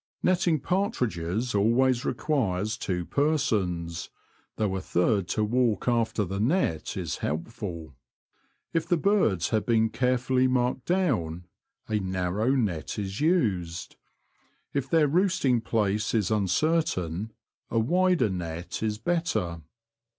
Netting partridges always requires two persons, though a third to walk after the net is helpful. If the birds have been carefully marked down, a narrow net is used ; if their roosting place is uncertain a wider net is better.